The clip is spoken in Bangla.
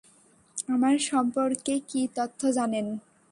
আমার সম্পর্কে কী তথ্য জানেন?